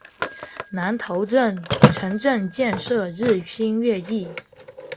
南头镇城镇建设日新月异。